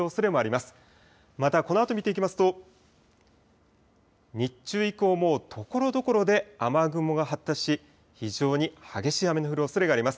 またこのあと見ていきますと日中以降もところどころで雨雲が発達し、非常に激しい雨の降るおそれがあります。